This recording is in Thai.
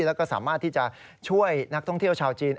แล้วก็สามารถที่จะช่วยนักท่องเที่ยวชาวจีน